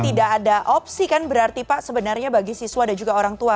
tidak ada opsi kan berarti pak sebenarnya bagi siswa dan juga orang tua